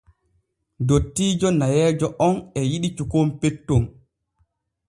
Dottiijo nayeeje on e yiɗi cukon petton.